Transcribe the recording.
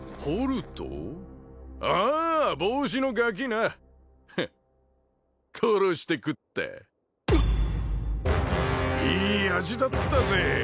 ああ帽子のガキなフッ殺して食ったいい味だったぜ